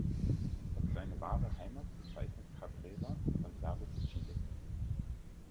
Als seine wahre Heimat bezeichnet Cabrera Santiago de Chile.